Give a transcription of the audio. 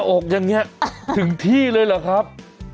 อกอย่างนี้ถึงที่เลยเหรอครับ